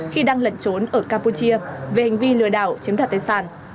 khi đang lẩn trốn ở campuchia về hành vi lừa đảo chiếm đoạt tài sản